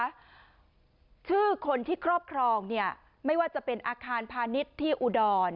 ชื่อคนที่ครอบครองเนี่ยไม่ว่าจะเป็นอาคารพาณิชย์ที่อุดร